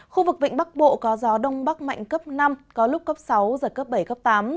khu vực vịnh bắc bộ có gió đông bắc mạnh cấp năm có lúc cấp sáu giật cấp bảy cấp tám